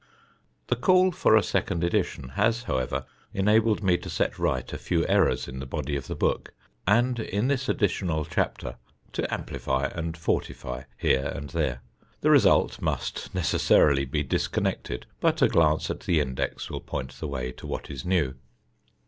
The call for a second edition has however enabled me to set right a few errors in the body of the book, and in this additional chapter to amplify and fortify here and there. The result must necessarily be disconnected; but a glance at the index will point the way to what is new.